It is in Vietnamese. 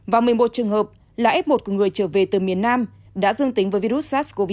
và một mươi một trường hợp là f một của người trở về từ miền nam đã dương tính với virus sars cov hai